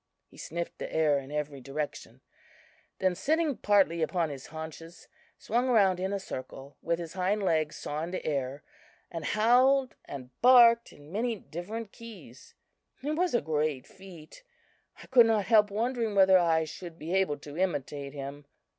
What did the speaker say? He sniffed the air in every direction; then, sitting partly upon his haunches, swung round in a circle with his hind legs sawing the air, and howled and barked in many different keys. It was a great feat! I could not help wondering whether I should be able to imitate him.